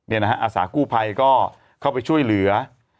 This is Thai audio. อาสากู้ภัยก็เข้าไปช่วยเหลือ